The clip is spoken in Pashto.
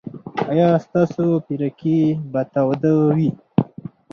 ایا ستاسو پیرکي به تاوده وي؟